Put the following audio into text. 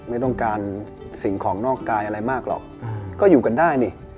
ไม่ต้องการสิ่งของนอกกายอะไรมากหรอกก็อยู่กันได้นี่